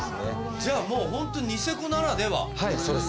じゃあもうホントニセコならでは。